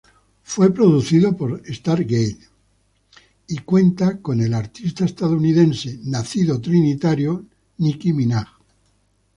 Fue producido por Stargate, y cuenta con trinitario nacido artista estadounidense Nicki Minaj.